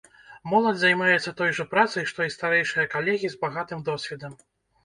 Моладзь займаецца той жа працай, што і старэйшыя калегі з багатым досведам.